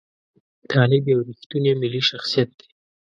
طالب یو ریښتونی ملي شخصیت دی.